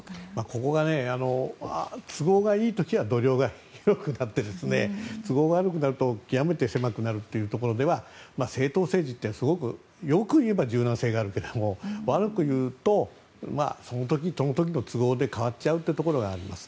ここが都合がいい時は度量が広くなって都合が悪くなると極めて狭くなるというところでは政党政治って良く言えば柔軟性があるけれど悪く言うとその時、その時の都合で変わっちゃうところがあります。